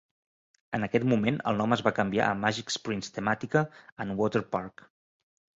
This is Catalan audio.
En aquest moment el nom es va canviar a Magic Springs Temàtica and Water Park.